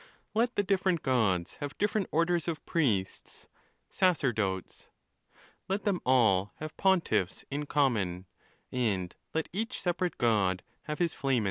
—Let the different gods have different orders of priests (sacerdotes).—Let them all have pontiffs in common ; and let each separate god have his Flamen.